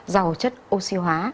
dầu chất oxy hóa